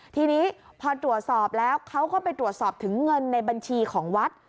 ทีนี้พอตรวจสอบแล้วเขาก็ไปตรวจสอบถึงเงินในบัญชีของวัด